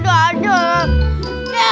harus bekerjaan aja deh